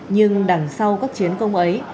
nhưng đằng sau các chiến công ấy